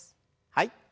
はい。